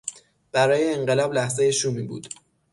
برای انقلاب لحظهی شومی بود.